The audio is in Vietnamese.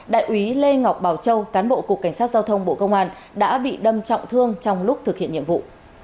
đại úy lê ngọc bảo châu cán bộ cục cảnh sát giao thông bộ công an đã bị đâm trọng thương trong lúc thực hiện nhiệm vụ